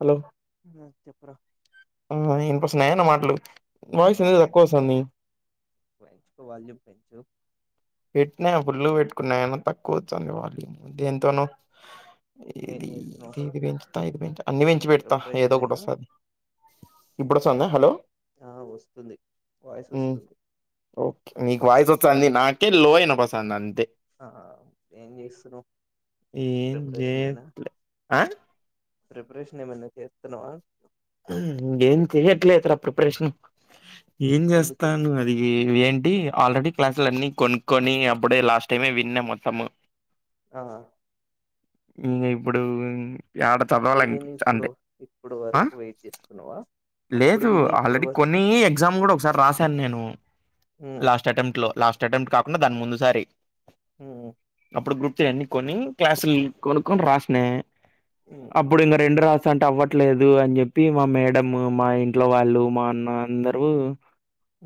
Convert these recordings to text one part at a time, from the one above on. Hello! చెప్పుర. ఊఁ ఇనిపిస్తున్నాయ నా మాటలు? ఆ వాయిస్ ఎందుకు తక్కువ వస్తుంది వినిపిస్తుంది. పెంచుకొ వాల్యూమ్ పెంచు. పెట్టనా ఫుల్లగా పెట్టుకున్న ఎందుకు తక్కువ వచ్చిందో మరి దేంతోనో ఏం ఇది చేస్తున్నావ్ దీని గురించి అన్ని పెంచి పెడతా ఏదో ప్రిపరేషన్ ఒకటి ఏనా వస్తది. ఇప్పుడొస్తాంద హలో ఆ వస్తుంది వాయిస్ హు వస్తుంది ఓకే నీకు వాయిస్ ఏం వస్తంది నాక్ పోయినా బస్ అంతే ఆ ఏం చేస్తున్నవ్ ఏం ప్రిపరేషన్ యేన చేయట్లే ఆ ప్రిపరేషన్ ఏమైనా జేత్తున్నవ హ్ ఏం చేయట్లేదురా ప్రిపరేషన్ ఏం ఎందుకు చేస్తాన్రు అది వే టి ఆల్రెడీ క్లాసులు అన్ని కొనుక్కొని అప్పుడే లాస్ట్ టైమే విన్నా మొత్తము ఆ ఇంగా ఇప్పుడు యాడ చదవాల అప్పుడు విని ఇప్పుడు అంతే ఇప్పుడు ఆ వరకు వెయిట్ చేస్తున్నావా అప్పుడు లేదు విని ఇప్పుడు ఆల్రెడీ వరకు కొన్ని ఎగ్జామ్స్ కూడా ఒకసారి రాశాను నేను ఉమ్ లాస్ట్ అటెంప్ట్ లో లాస్ట్ అటెంప్ట్ కాకుండా దాని ముందు సారి ఉమ్ అప్పుడు గ్రూప్ త్రీ అన్ని కొని క్లాసులు కొనుక్కొని రాసిన ఉమ్ అప్పుడు ఇంగ రెండు రాసి అంటే అవ్వట్లేదు అని చెప్పి ప్పి మా మేడం మా ఇంట్లో వాళ్ళు మా అన్న అందరూ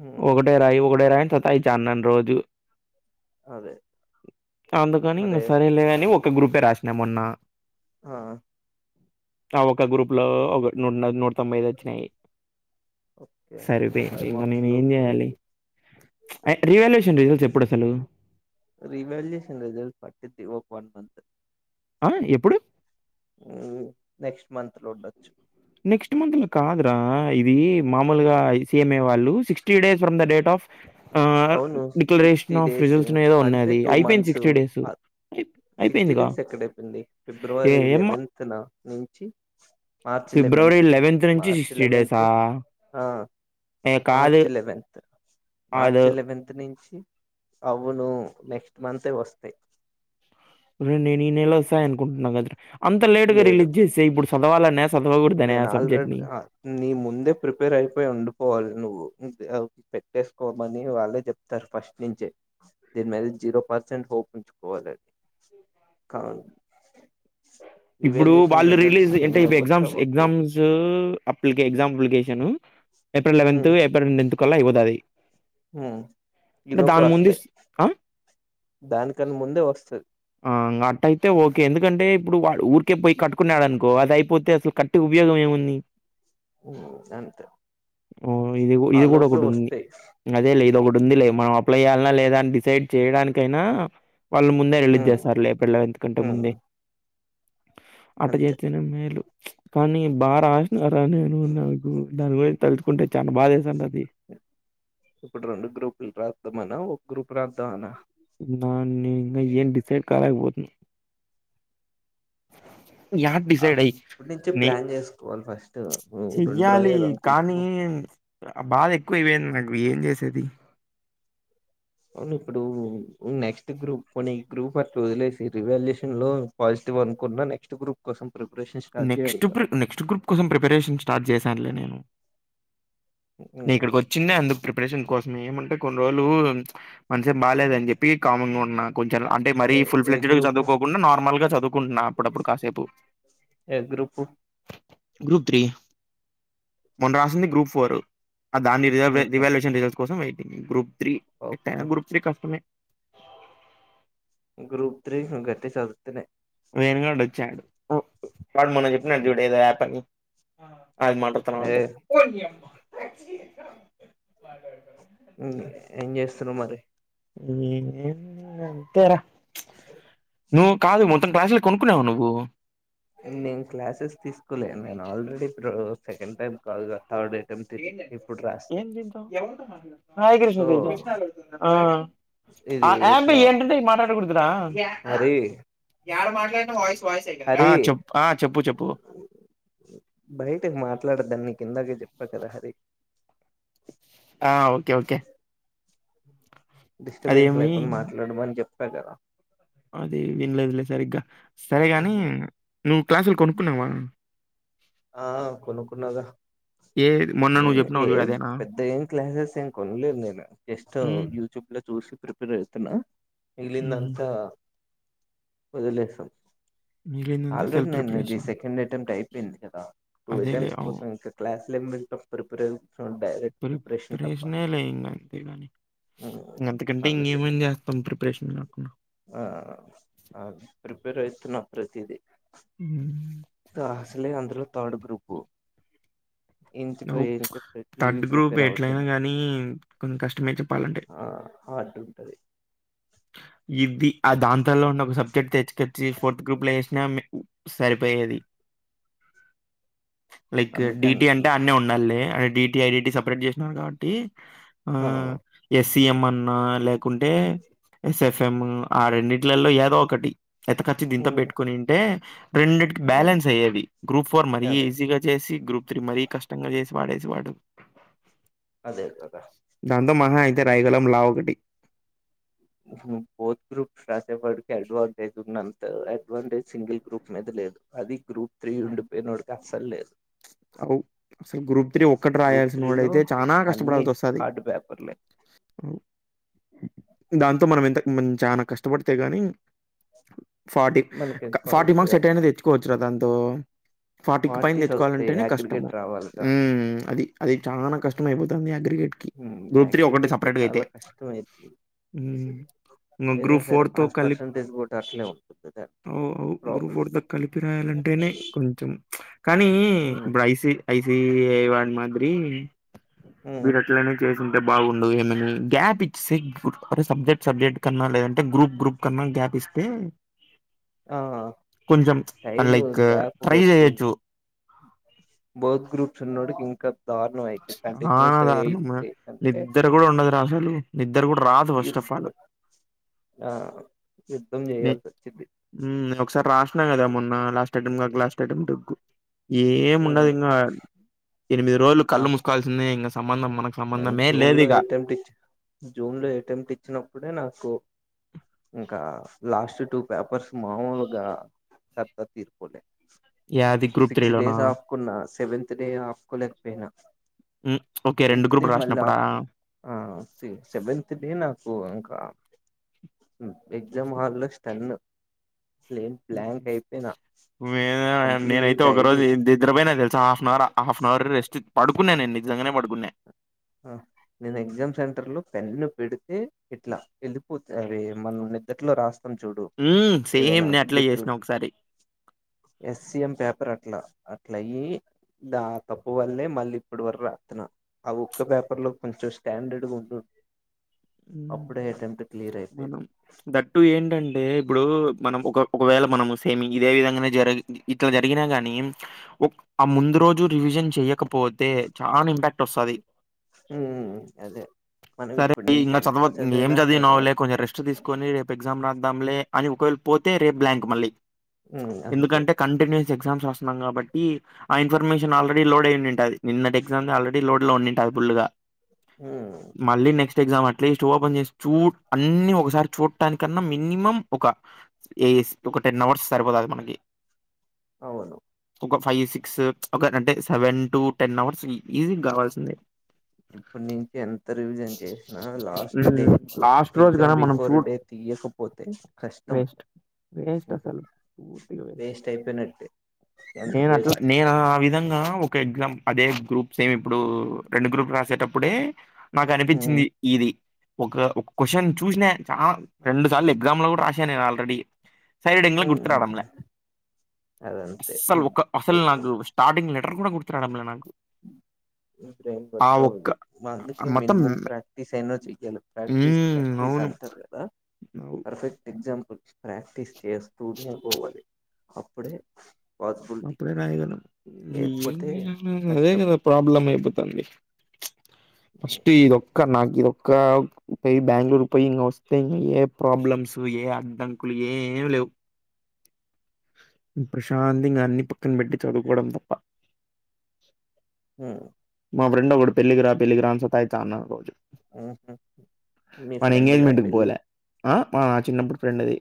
ఉమ్ ఒకటే రాయి ఒక డ రాయి అని తాయించాన్ నన్ రోజు అదే అందుకని మరి ఇగ సరేలే అని ఓ ఒక్క గ్రూపే రాసిన మొన్న ఆఆ ఆ ఒక్క గ్రూప్ లో ఓగరు నూట తొంబై ఐదు వచ్చినయ్ ఓకే ఫైవ్ సరిపోయింది గాని మార్క్స్ నేనేం చేయాలి చి ఏయ్ రీ వాల్యుయేషన్ రిజల్ట్ పట్టిందేమో వన్ మంత్ ఆ ఇప్పుడు ఆ నెక్స్ట్ మంత్ లో ఉండొచ్చు నెక్స్ట్ మంత్ లో కాదురా ఇది మామూలుగా ఐ సీఎమే వాళ్ళు sixty days from the date of ఆహ్, అవును సిక్స్టీ డిక్లరేషన్ ఆఫ్ డేస్ రిజల్ట్స్‌నో ఏదో అంటే ఉన్నాది. టూ అయిపోయింది మంత్స్ డేస్. అయిప్ సిక్స్టీ అయిపోయిందిగా. డేస్ ఎక్కడ అవుతుంది ఫిబ్రవరి ఏయమ్మ లేవంతెన నుంచి మార్చ్ ఫిబ్రవరి లెవెన్త్ నుంచి మార్చ్ సిక్స్టీ డేసా లెవెన్త్ ఏ కాదు అ మార్చ్ కాదు. లెవెన్త్ నుంచి అవును నెక్స్ట్ మన్త్ తే వస్తాయి రే నేను ఈ నెల వస్తాయ్ అనుకుంటున్నాను కదా రా అంత లేటుగా లేదు రిలీజ్ చేసేయ్ ఇపుడు ఓవరల్స్ నేను ఆల్రెడీ నీ ముందే ప్రిపేర్ అయేవుండిపోవాలి నువ్వు ఆఫెక్ట్ పెటేసుకోమని వాళ్ళే చెప్తారు ఫస్ట్ నుంచే దీని మీద జీరో పర్సెంట్ హోప్ ఉంచుకోవాలి అది కావును ఇప్పుడు రివాల్యూషన్ వాళ్ళు రిజల్ట్స్ రిలీజ్ అంటే చేంజ్ ఇ అవ్వచ్చు ఎగ్జామ్స్ అవ్వకపో రాంజు exams application April eleventh April ninth కల్ల ఇవ్వదది ఈ అంటే లోపే దాని ముందు వస్తాయి దానికన్నా ముందే వస్తది అట్ట అయితే ఓకే ఎందుకంటే ఇప్పుడు వా ఊరికే పోయి కట్టుకున్నాడనుకో అది అయిపోతే అసలు కట్టి ఉపయోగం ఏముంది హ్మ్. అంతే ఓ ఇది ఆ ఇది కూడా లోపే ఒకటి ఉంది వస్తాయి అదే లే ఇది ఒకటి ఉంది లే మనం అప్లై చేయాలన్నా లేదా అని డిసైడ్ చేయడానికి అయినా వాళ్ళు ముందే రిలీజ్ హ్మ్. చేస్తర్లే ఏప్రిల్ లెవెన్త్ కంటే హ్మ్. ముందే అట్ట అంతే చేస్తేనే మేలు కానీ బా రాసినారా నేను హ్మ్. నాకు హ్మ్. దాని హ్మ్. గురించి తలుచుకుంటే చానా బాధేస్తుండది ఇప్పుడు రెండు గ్రూపులు రాద్దామనా ఒక గ్రూప్ రాద్దామనా నాన్ ని ఇంక ఏం డిసైడ్ కాలేకపోతున్న యాద్ ఆహ్, డిసైడ్ అయి ఇప్పటి నుంచే ని ప్లాన్ చేసుకోవాలి ఫస్ట్ రెండు చెయ్యాలి రాయాలి కానీ అనుకుంటున్నాం ఆ బాధ ఎక్కువ అయిపోయింది ఏం చేసేది అవును ఇప్పుడూ నెక్స్ట్ గ్రూప్నీ ఈ గ్రూప్ అట్ల వదిలేసి రెవల్యూషన్ లో పాజిటివ్ అనుకున్న నెక్స్ట్ గ్రూప్ కోసం ప్రిపరేషన్ స్టార్ట్ చేయాలి నెక్స్ట్ ప్రె కదా నెక్స్ట్ గ్రూప్ కోసం ప్రిపరేషన్ స్టార్ట్ చేశానులే నేను నే హ్మ్. ఇక్కడికి వచ్చిందే అందుకు ప్రిపరేషన్ కోసం ఏమంటే కొన్ని రోజులు మనసేం బాలేదని చెప్పి కామన్ గా ఉన్నా కొంచర్ల అంటే మరీ ఏ ఫుల్ ఏ ఫ్లెడ్జెడ్గా గ్రూపు చదువుకోకుండా నార్మల్ గా చదువుకుంటున్నా అప్పుడప్పుడు కాసేపు ఏ గ్రూపు గ్రూప్ త్రీ మొన్న రాసింది గ్రూప్ ఫోరు ఆ దాన్ని రివే ఉహు రివాల్యూషన్ రిజల్స్ కోసం వెయ్ గ్రూప్, త్రీ ఎట్టైనా ఓకే గ్రూప్ త్రీ కష్టమే గ్రూప్ త్రీ గట్టిగా చదువుతెనే వేణుగాడు వచ్చాడు ఓ వాడు మొన్న చెప్పినాడు చూడు ఏదో యాప్ అని. అది మాత్రం ఏ తరువాత. ఏం చేస్తున్నావ్ మరి. ఏం చెయ్యాలి అంతేరా ను కాదు మొ భాషలు కొనుక్కున్నావా నువ్వు. లే నేను ఆల్రెడీ ఇప్పుడు సెకండ్ టైమ్స్ కాల్దా. [unintelligible] సో ఇది ఇట్లా హరి యాడ మాట్లాడినా వాయిస్. ఆ హరి చెప్ ఆ చెప్పు చెప్పు. బయటకి మాట్లాడద్దని నీకు ఇందాకే చెప్పా కదా హరి. ఆ ఓకే ఓకే. డిస్టబెన్స్ అదేమి లేకుండా మాట్లాడమని చెప్. ట గదా అది వినలేదులే సరిగ్గా. సరేగాని ఉహు. ను. క్లాస్ లు కొనుక్కున్నావా. ఆ కొనుక్కున్నాగా. ఏ మొన్న ఏ నువ్వు చెప్పినావు చూడు ఏం అదేనా పెద్ద ఏం క్లాసెస్ ఏం కొనలేద్ నేను జస్ట్, ఉమ్, యూట్యూబ్ లో చూసి. ప్రిపేర్ అవుతున్న. ఉమ్హు. మిగిలిందంతా. ఓదిలేసావ్. మిగిలిందంతా ఆల్రెడీ సెల్ఫ్ నేన్ అది ప్రిపరేషన్ సెకండ్ అటెంప్ట్ అయిపోయింది గా. నువ్ అదేలే అటెంప్ట్స్ కోసం చెప్లే. [unintelligible] ప్రీ ప్రిపరేషనే లే ఇంగా అంతే గాని. అందుకే ఆ ప్రిపేర్ అయితున్న ప్రతీది. ఉమ్. దా అసలే అంత్. Third group. ఇంచుకో నువ్ ఇంచు ప్రతివి థర్డ్ గ్రూప్ ప్రిపేర్ ఎట్లయినా అవుతున్నా గానీ, కొంచం కష్టమే చెప్పాలంటే. ఆ హార్డ్ ఉంటది ఇది ఆ దాంతంలో ఉన్న ఒక సబ్జెక్ట్ తెచ్. తెచ్చి ఫోర్త్ గ్రూప్ లో ఏసినామ్ మేం. సరిపోయేది. లైక్ అందుకే డిటి అంటే అంటున్నా అన్ని ఉండాల్నే. అరే D T, I D T separate చేసినారు కాబట్టి. ఆ ఎస్. ఇయ్యామన్న లేకుంటే. ఎస్ ఎఫ్ ఎం ఆ రెండిట్లో లో ఏదో ఒకటి. ఎంతఖచ్చి దీంతో ఉమ్, బేట్టుకొని ఉంటే. అ రెండింటికి ఉమ్, బ్యాలెన్స్ అయ్యేవి. గ్రూప్ ఫోర్ మరీ అదే ఈజీగా జేసి, గ్రూప్ త్రీ మరీ కష్టంగా జేసి. వాడేసివాడు. అదే గాదా. రైగలాం లా ఒకటి. Fourth group [unintelligible] advantage single group మీద లేదు. అది గ్రూప్ త్రీ ఉండ్. అవ్ అసలు గ్రూప్ త్రీ ఒక్కటి గ్రూప్ రాయాల్సిన త్రీ లో వాడైతే చానా అన్ని కష్టపడాల్సి ఓస్తాది. హార్డ్ పేపర్లే దాన్ తో మనం ఎంతక్ మన్ చానా కష్టపడితే గాని. ఫార్టీ, మనకి ఫార్టీ మార్క్స్ కావాల్సిన ఎట్టయినా తెచ్చుకోవచ్చు గా దాన్. తోమ్ ఫార్టీకి పైన ఫార్టీస్ వస్తాయి తెచ్చుకోవాలంటేనే కష్టము అగ్రిగేట్ రావాలిగా ఉమ్ అది అది చానా కష్టం మైబుద్ ఉమ్ యాంకర్ గా అయితే చాలా కష్టం అవుతుంది హ్మ్. ఇంగ ఏదనా గ్రూప్ సరే పాస్ కలిపి పర్సెంటేజ్ కూడా అట్లే ఉంటుంది దా అవు. అవు. ప్రాబ్లం ఉమ్ కానీ ఇప్పుడు ఐసి ఐసి వన్ అగ్రీ వీడు ఎట్లైన చేసి అంటే బాగుండదు ఏమని గ్యాప్ ఇస్తే కు సబ్జెక్ట్ సబ్జెక్ట్ కన్నా లేదంటే గ్రూప్ గ్రూప్ కన్నా గ్యాప్ ఇస్తే ఆ కొంచెం చ అ టైమ్ లైక్ గ్యాప్ ట్రై ఎక్కువ చేయచ్చు ఉంటుంది బోత్ గ్రూప్స్ ఉన్నోడుకి ఇంకా దారుణం అయితది ఆ కంటిన్యూస్ ఎయిట్ దారుణంరా డేస్ నిద్ర కూడా ఉండదు రా అసలు నిద్ర కూడా రాదు ఫస్ట్ ఆఫ్ ఆల్ అంటే ఆ యుద్ధం చేయాలిసి వచ్చిది హుమ్ ఒకసారి కదా మొన్న లాస్ట్ అటేమ్ లాస్ట్ అటెంప్ట్ కు ఏముండదు ఉమ్, ఇంకా ఎనిమిది రోజులు ఆ కళ్ళు ముూసుకోవాల్సిందే ఇంకా సంబంధం మన నేను జూన్ లో ఎట్మ్ట్ ఇచ్చ్ జూన్ లో ఎట్మ్ట్ ఇచ్చినప్పుడే నాకు ఇంకా లాస్ట్ టూ పేపర్స్ మాముల్ గా శ ద ద్ తీస్కోలే యాది గ్రూప్ త్రీ సిక్స్ లోనా డేస్ అపుకున్న సెవెన్త్ డే ఆప్కోలేకపోయినా ఉమ్ ఒకే రెండు తూ డే గ్రూపులు మళ్ళా రాసినప్పుడా ఆపుకున్న ఆ సి సెవెన్త్ డే నాకు ఇంకా హమ్ ఎగ్జామ్ హాల్ లో స్టను ఉమ్... మిమ్ ఏ నేనైతే కంప్లీట్ ఒక ఐడి రోజు దిదరపోయినా తెలుసా half an hour half an hour rest పడు కున్నా నేను నిజంగానే పడుకున్న హ నేను ఎగ్జామ్ సెంటర్లో పెన్ను పెడితే ఇట్లా వెళ్ళిపోత్ అరే మనం నిదట్లో రాస్త్ తమ్ చూడు హ్మ్ సేమ్ ఏవైనా నేను అట్లే గీతలు చేసిన ఒకసారి ఎస్ మ్ పేప్ పర్ అట్లా అట్లయీ దా తప్పు వల్లే మళ్ళీ ఇప్పుడు వరకు రతానా అవు ఒక్క పేపర్లో కొంచెం స్టాండడ్ గా ఉండుం మనం దట్టు ఏంటంటే ఇప్పుడు మనం ఒక ఒకవేళ మనం సేమి ఇదే విధంగానే జరి ఇట్లా జరిగినా గాని ఆ ముందు రోజు రివిజన్ చెయకపోతే చాలా ఇంపాక్ట్ వస్తాది. హుహు అదే మనం సరే ఇప్పుడు నుంచి ఇంకా ఎంత చదవ ఏం చదివినా చదివిన సరే వాళ్లే కొెం రెస్ట్ తీసుకొని రేపు ఎగ్జామ్ రాద్దదాంలే అని ఒకవేళ పో తే బ్లంక్ మళ్లీ ఉమ్ అంతే ఎందుకంటే కంటిన్యూస్ ఎగ్జామ్స్ వస్తున్నాం కాబట్టి ఆ ఇఫర్మేషన్ ఆల్రెడీ లోడ్ అయి ఉంట అది నిన్నటి ఎగ్జామ్ ఆల్రెడీ లోడ్ లో ఉండింట అది పుల్ గా ఉమ్ మళ్లీ నెక్స్ట్ ఎ్జా అట్స్ట్ ఓపెన్ చే చూ అన్ని ఒకసారి చూడటాకన్నా మినిమం ఒక ఒక టెన్ అవర్స్ సరిపోతుంది మనకి అవును ఒక ఫైవ్ సిక్స్ ఒక అంటే seven to ten hours easy కావాల్సిందే. ఇప్పటి నుంచి ఎంత రివిజన్ చేసినా లాస్ట్ డే హ్మ్. లాస్ట్ రోజు ఎగ్జామ్ గాన మనం బిఫోర్ చూడ్ డే తీయకపోతే కష్టం వేస్ట్. వేస్ట్ ఇంకా అసలు. పూర్తిగా వేస్ట్ అయిపోయినట్టే ఎంత నేను అట్లా వేస్ట్ నేను ఆ విధంగా ఒక ఎగ్జామ్ అదే గ్రూప్స్ సేమ్ ఇప్పుడు రెండు గ్రూప్ రాసేటప్పుడే మాకు అనిపించింది ఇది ఒక ఒక క్వశ్చన్ చూసిన చాలా రెండు సార్లు ఎగ్జామ్ లో కూడరాసాను నేను ఆల్రెడీ సైడెంగ్ లో హు అదే అసలు ఒక అసలు నాకు స్టార్టింగ్ లెటర్ కూడా [unintelligible] గుర్తురావడంలే నాకు ఆ ఒక్క మొత్తం మినిమ ప్రాక్టిస్ ఏ చ ప్రాక్టీస్ మ్మ్, ప్రాక్టీస్ అవును అంటారు కదా అవు. పర్ఫెక్ట్ ఎగ్జాంపుల్ ప్రాక్టీస్ చేస్తూనే పోవాలి అప్పుడే పాసిబిలిటీ అప్పుడే రయగలాం లేకపోతే [unintelligible] హు అదే కష్టం కదా ప్రాబ్లం అయిపోతాంది. ఫస్ట్ ఇది ఒక్క నాగ ఇది ఒక్క ప బెంగళూరు పై ఇంక వస్తే ఇంకా ఏ ప్రాబ్లమ్స్ ఏ అడ్డంకులు ఏ ఏం లేవు. ప్రశాంతంగా ఇంగ అన్ని పక్కన పెట్టి చదువుకోవడం తప్ప హు మా ఫ్రెండు ఒకడు పెళ్లికిరా పెళ్లికిరా అ సత ఇస్తాన్నాడు రోజు మీ మన ఫ్రెండ్దా ఎంగేజ్మెంట్ కి పెళ్ళి పోలే ఆ మా నా చిన్నప్పుటి ఫ్రెండ్ది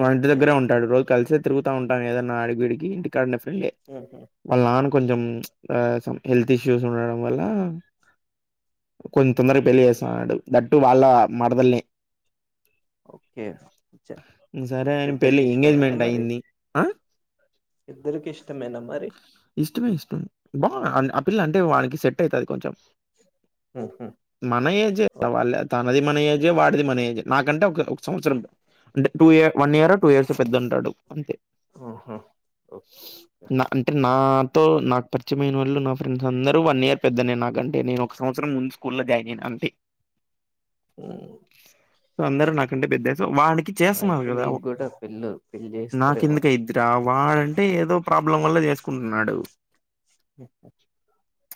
మా ఇంటి ఓకే దగ్గర ఉం పోయి కలిసితిరుగుత ఉంటా ఏదన్నా అడిగి వీడికి ఇంటికాడ్నే ఫెళ్లి వాళ్ల నాను కొంజెం ప్చ్ ఆ సమ్ హెల్త్ ఇష్యూస్ ఉండడం వల్ల కొం తొందరగా పెళ్ళి చేస్సున్నాడు దట్టు వాళ్ళ మరదల్నే ఒకే చా సరే అని ఇద్దరికీ పెళ్లి ఇష్ ఎంగేజ్మెంట్ అయ్యింది ఆ ఇద్దరికి ఇష్టమేనా మరి ఇష్టమే ఇష్టం బా ఆన్ ఆ పిల్ల అంటే వానికి సెట్ అయితది కొంచెం ఓకే మన ఏజే వాళ్ల తనది మన ఏజే వాడిది మన ఏ నాకంటే ఒక ఒక సంవత్సరం అంటే టూ ఇయ వన్ ఇయర్ టూ ఇయర్స్ పెద్దంటడు అంతే ఓకే నా అంటే నా తో నాకు పరిచయమైన వాళ్లు నా ఫ్రెండ్స్ అందరూ వన్ ఇయర్ పెద్దనే నాకుంటే నేను ఒక సంవత్సరం ముందు స్కూల్ లో జాయిన్ అయినాను అంతే. ఓ అందరూ నాకంటే పెద్దె వానికి చేస్తున్నారు అయితే గదా నీకు కూడా పెళ్ళు పెళ్ళి నాకు చేస్తారేమో ఇందుకె ఇద్దరా వాడంటే ఏదో ప ప్రాబ్లెమ్ వల్ల చేసుకుంటున్నాడు మ్మ్ హ్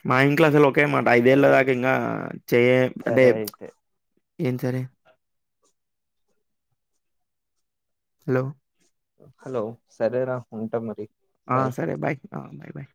మా ఇంట్లో అసలు ఓకే మాట ఐదేళ్ళదాకా ఇంగా చేయం అంటే సరే ప్చ్ అయితే ఏం సరే హలో హలో సరేరా ఉంటా మరి ఆ సరే బాయ్ హ బై బాయ్